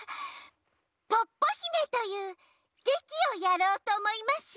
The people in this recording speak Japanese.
「ポッポひめ」というげきをやろうとおもいます。